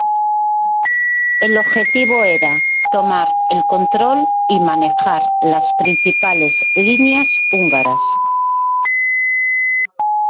El objetivo era tomar el control y manejar las principales líneas húngaras.